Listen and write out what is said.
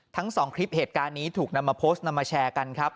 ทั้งสองคลิปเหตุการณ์นี้ถูกนำมาโพสต์นำมาแชร์กันครับ